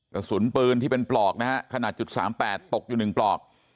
กระสุนปืนที่เป็นปลอกนะฮะขนาดจุด๓๘ตกอยู่๑ปลอก